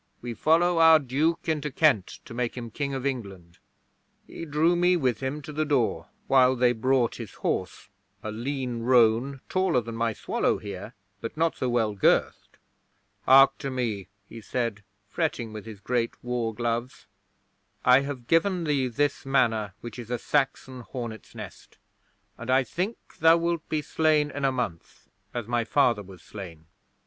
We follow our Duke into Kent to make him King of England." 'He drew me with him to the door while they brought his horse a lean roan, taller than my Swallow here, but not so well girthed. '"Hark to me," he said, fretting with his great war gloves. "I have given thee this Manor, which is a Saxon hornets' nest, and I think thou wilt be slain in a month as my father was slain.